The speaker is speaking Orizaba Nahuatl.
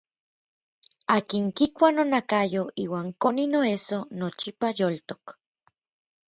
Akin kikua nonakayo iuan koni noesso nochipa yoltok.